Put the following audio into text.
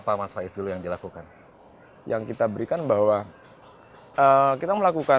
pendekatannya seperti apa mas faiz dulu yang dilakukan yang kita berikan bahwa kita melakukan